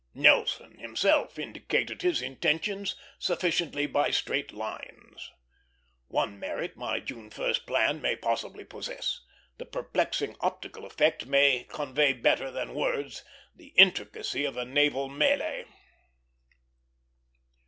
Nelson himself indicated his intentions sufficiently by straight lines. One merit my June 1st plan may possibly possess; the perplexing optical effect may convey better than words the intricacy of a naval mêlée.